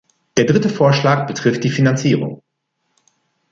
Der dritte Vorschlag betrifft die Finanzierung.